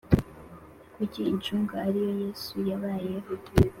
Kuki incungu ari yo yesu yabayeho